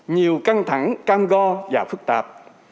nhiều căng thẳng cam go và phức tạp